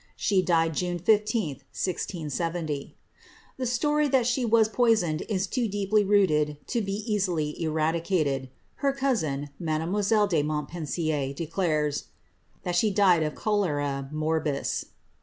She died June 15, 1670. The story that she was poisoned is too deeply rooted to be easily eradicated. Her cousin, Mademoiselle de Mon^wn* sier, declares ^ that she died of cholera morbus."